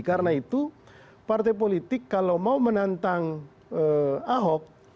karena itu partai politik kalau mau menantang ahok